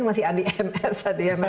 masih adi ms